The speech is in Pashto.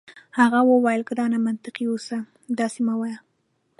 هغې وویل: ګرانه منطقي اوسه، داسي مه وایه.